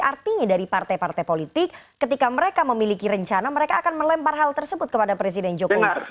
artinya dari partai partai politik ketika mereka memiliki rencana mereka akan melempar hal tersebut kepada presiden jokowi